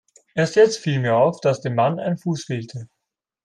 Erst jetzt fiel mir auf, dass dem Mann ein Fuß fehlte.